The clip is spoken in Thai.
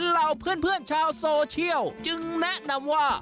เหล่าเพื่อนชาวโซเชียลจึงแนะนำว่า